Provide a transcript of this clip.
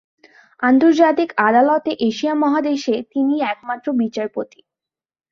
আন্তর্জাতিক আদালতে এশিয়া মহাদেশে তিনিই একমাত্র বিচারপতি।